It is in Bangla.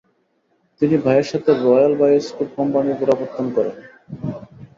তিনি ভাইয়ের সাথে রয়্যাল বায়োস্কোপ কোম্পানির গোড়াপত্তন করেন